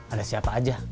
ada siapa aja